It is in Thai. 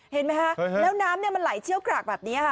เห็นไหมคะแล้วน้ำมันไหลเชี่ยวกรากแบบนี้ค่ะ